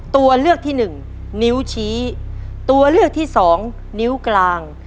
ตัวเลือกที่หนึ่งนิ้วชี้ตัวเลือกที่สองนิ้วกลาง